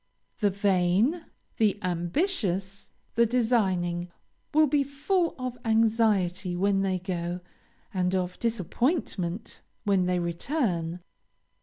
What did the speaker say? The vain, the ambitious, the designing, will be full of anxiety when they go, and of disappointment when they return.